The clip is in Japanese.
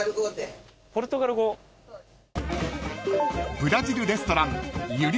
［ブラジルレストラン］